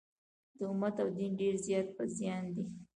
د امت او دین ډېر زیات په زیان دي.